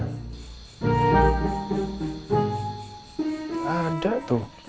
gak ada tuh